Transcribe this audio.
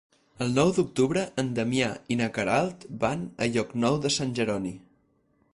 El nou d'octubre en Damià i na Queralt van a Llocnou de Sant Jeroni.